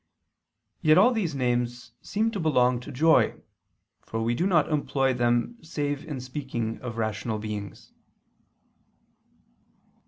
Yet all these names seem to belong to joy; for we do not employ them save in speaking of rational beings.